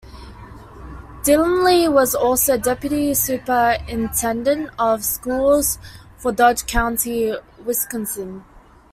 Delaney was also deputy superintendent of schools for Dodge County, Wisconsin.